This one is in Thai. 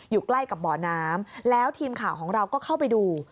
อยู่ใกล้กับบ่อน้ำแล้วทีมข่าวของเราก็เข้าไปดู